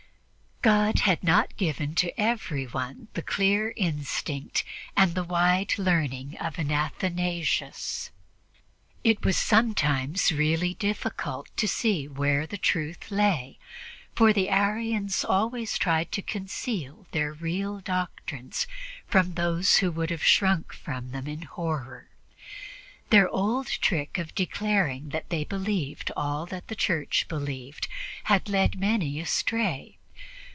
God had not given to everyone the clear instinct and the wide learning of an Athanasius. It was sometimes really difficult to see where the truth lay, for the Arians always tried to conceal their real doctrines from those who would have shrunk from them in horror. Their old trick of declaring that they believed all that the Church believed had led many astray.